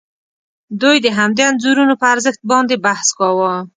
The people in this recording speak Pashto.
دوی د همدې انځورونو پر ارزښت باندې بحث کاوه.